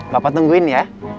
papa tungguin ya